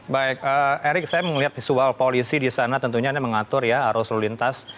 baik erik saya melihat visual polisi di sana tentunya ini mengatur ya arus lalu lintas